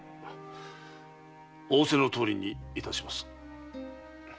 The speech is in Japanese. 仰せのとおりにいたします。